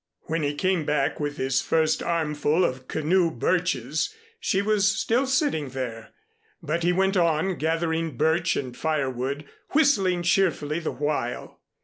When he came back with his first armful of canoe birches, she was still sitting there; but he went on gathering birch and firewood, whistling cheerfully the while.